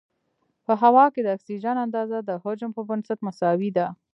په هوا کې د اکسیجن اندازه د حجم په بنسټ مساوي ده.